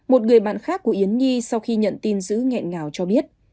một người bạn khác của yến nhi sau khi nhận tin giữ nghẹn ngào cho biết